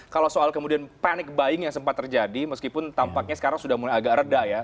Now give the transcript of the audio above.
kalau soal kemudian panic buying yang sempat terjadi meskipun tampaknya sekarang sudah mulai agak reda ya